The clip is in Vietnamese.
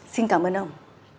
xin cảm ơn ông